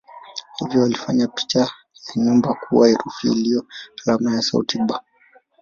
Hivyo walifanya picha ya nyumba kuwa herufi iliyo alama ya sauti "b".